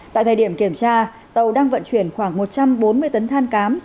tại thời điểm kiểm tra tàu đang vận chuyển khoảng một trăm bốn mươi tấn than cám